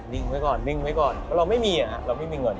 นิ่งไว้นี่นะนิ่งไว้ก่อนเราไม่มีอะเรามีเงิน